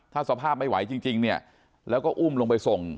ถ้าสภาพไม่ไหวจริงเนี่ยแล้วก็อุ้มลงไปส่ง